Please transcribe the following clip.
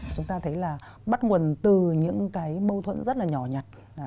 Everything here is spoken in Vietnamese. chúng ta thấy là bắt nguồn từ những cái mâu thuẫn rất là nhỏ nhặt